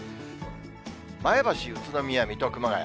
前橋、宇都宮、水戸、熊谷。